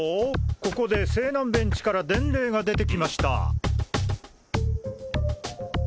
ここで勢南ベンチから伝令が出てきました。